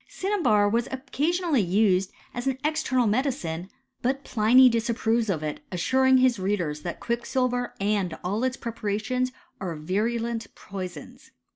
Cinnabar was occasionally used as an eii^temal medicine ; but Pliny disapproves of it, assuring hif readers that quicksilver and all its preparations are virulent poisons.